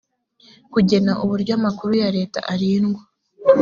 kugena uburyo amakuru ya leta arindwa